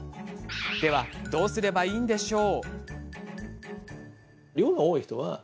では、どうすればいいんでしょう。